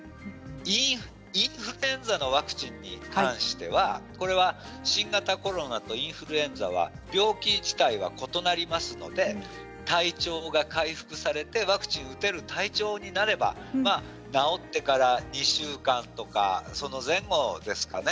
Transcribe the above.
インフルエンザのワクチンに関しては新型コロナとインフルエンザは病気自体が異なりますので体調が回復されてワクチンを受けられる体調になれば治ってから２週間とかその前後ですかね。